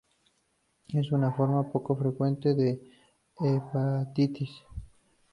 Es una forma poco frecuente de hepatitis.